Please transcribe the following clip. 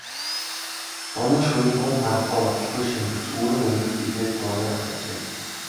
Зуны шөнийн гүн харанхуй удалгүй шингэрч үүрийн өмнөх гэгээ туяарах ажээ.